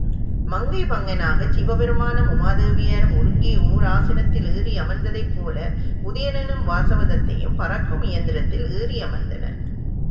மங்கை பங்கனாகச் சிவ பெருமானும் உமாதேவியாரும் ஒருங்கே ஓராசனத்தில் ஏறி அமர்ந்ததைப்போல உதயணனும், வாசவதத்தையும் பறக்கும் இயந்திரத்தில் ஏறியமர்ந்தனர்.